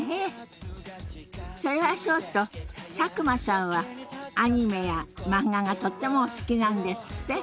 それはそうと佐久間さんはアニメや漫画がとってもお好きなんですって？